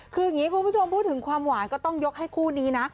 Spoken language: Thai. คือแบบนี้พวกชมพูดถึงความหวานก็ต้องยกให้คู่นี้นะ